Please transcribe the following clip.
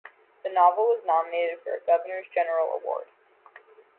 The novel was nominated for a Governor General's Award.